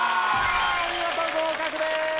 お見事合格です！